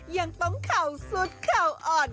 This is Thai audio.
ยังต้องเข่าสุดเข่าอ่อน